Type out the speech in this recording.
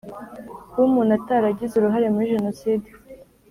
Kuba umuntu ataragize uruhare muri jenoside